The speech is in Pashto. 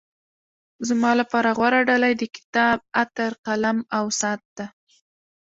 زما لپاره غوره ډالۍ د کتاب، عطر، قلم او ساعت ده.